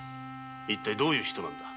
一体どういう人なんだ？